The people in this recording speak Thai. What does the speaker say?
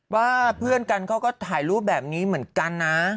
ว่าเพื่อนกันเขาก็ถ่ายรูปแบบนี้เหมือนกันนะ